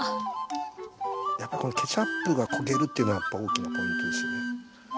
やっぱこのケチャップが焦げるっていうのが大きなポイントですよね。